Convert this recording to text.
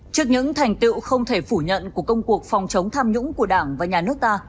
trước những thành tựu không thể phủ nhận của công cuộc phòng chống tham nhũng của đảng và nhà nước ta